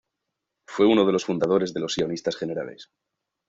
Fue uno de los fundadores de los Sionistas Generales.